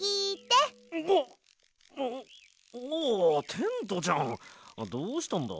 テントちゃんどうしたんだ？